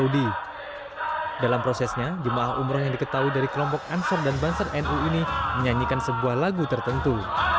dalam prosesnya jemaah umroh yang diketahui dari kelompok ansor dan banser nu ini menyanyikan sebuah lagu tertentu